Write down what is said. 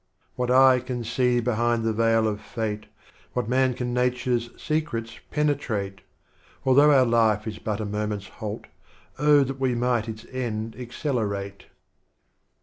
What Eye can see behind the Veil of Fate? What Man can Nature's Secrets penetrate? — Although our Life is but a Moment's Halt, — Oh, that we mi^ht its End accelerate.